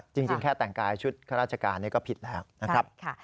จริงแค่แต่งกายชุดข้าราชการก็ผิดแล้วนะครับ